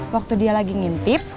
waktu dia lagi ngintip